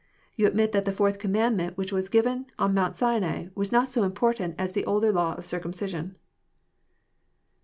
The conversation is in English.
'^Tou admit that the fourth commandment which was given on Mount Sinai was not so important as the older law of circumcision."